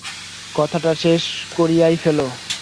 কথাটা শেষ করিয়াই ফেলো।